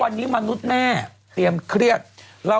คุณหมอโดนกระช่าคุณหมอโดนกระช่า